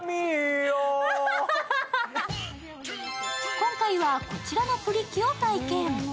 今回は、こちらのプリ機を体験。